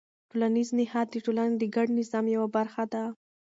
ټولنیز نهاد د ټولنې د ګډ نظم یوه برخه ده.